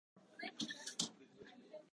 僕のこと殺す気ですか